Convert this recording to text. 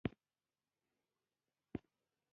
د انارو جوس صادریږي؟